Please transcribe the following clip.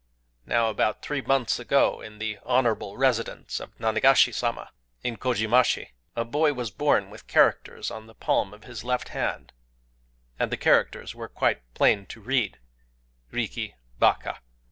"Now, about three months ago, in the honorable residence of Nanigashi Sama (2), in Kojimachi (3), a boy was born with characters on the palm of his left hand; and the characters were quite plain to read,—'RIKI BAKA'!